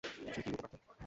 আসলেই নাকি রূপকার্থে?